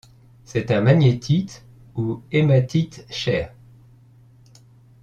C'est un magnétite ou de l'hématite chert.